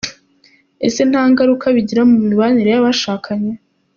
Ese nta ngaruka bigira mu mibanire y’abashakanye?.